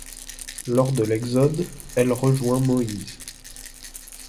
Lors de l'Exode, elle rejoint Moïse.